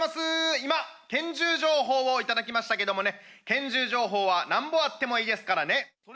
今、拳銃情報を頂きましたけれどもね、拳銃情報はなんぼあってもいいですからね。